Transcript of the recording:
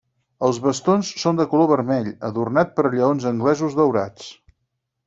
Els bastons són de color vermell, adornat per lleons anglesos daurats.